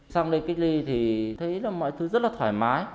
xong đây cách ly thì thấy là mọi thứ rất là thoải mái